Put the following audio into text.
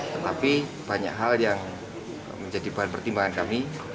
tetapi banyak hal yang menjadi bahan pertimbangan kami